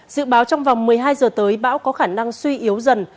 dự báo trong vòng một mươi hai giờ tới bão có khả năng suy yếu dần